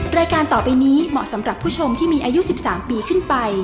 รายการต่อไปนี้เหมาะสำหรับผู้ชมที่มีอายุ๑๓ปีขึ้นไป